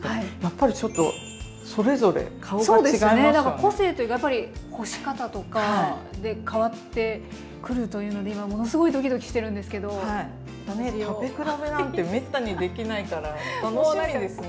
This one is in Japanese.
個性というかやっぱり干し方とかで変わってくるというので今ものすごいドキドキしてるんですけど。食べ比べなんてめったにできないから楽しみですね。